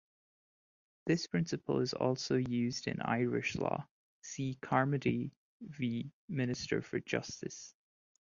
This principle is also used in Irish law: see Carmody v Minister for Justice.